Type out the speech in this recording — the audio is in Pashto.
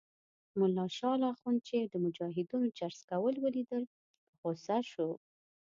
ملا شال اخند چې د مجاهدینو چرس څکول ولیدل په غوسه شو.